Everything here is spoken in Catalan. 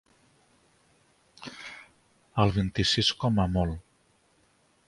El vint-i-sis com a molt.